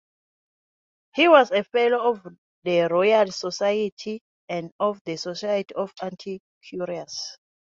He was a fellow of the Royal Society and of the Society of Antiquaries.